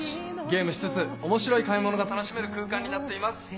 ゲームしつつ面白い買い物が楽しめる空間になっています。